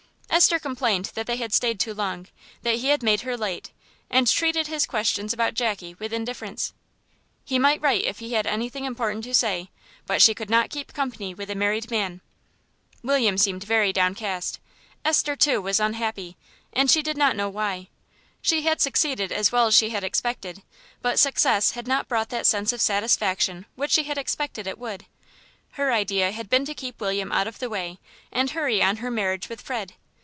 Esther complained that they had stayed too long, that he had made her late, and treated his questions about Jackie with indifference. He might write if he had anything important to say, but she could not keep company with a married man. William seemed very downcast. Esther, too, was unhappy, and she did not know why. She had succeeded as well as she had expected, but success had not brought that sense of satisfaction which she had expected it would. Her idea had been to keep William out of the way and hurry on her marriage with Fred.